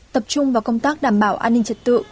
tập trung vào công tác đảm bảo an ninh trật tự